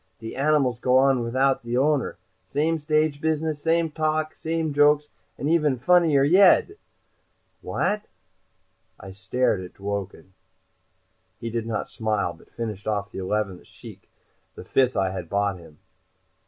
De animals go on without the owner. Same stage business, same talk, same jokes, and even funnier yedt. What?" I started at Dworken. He did not smile, but finished off the eleventh shchikh the fifth I had bought him.